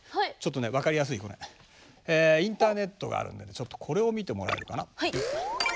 ちょっとね分かりやすいこれインターネットがあるんでちょっとこれを見てもらえるかな？